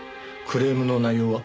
クレームの内容は？